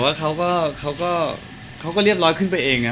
ไม่ครับยังไม่เดี๋ยวเขาก็เรียบร้อยขึ้นไปเองนะ